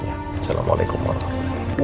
assalamualaikum warahmatullahi wabarakatuh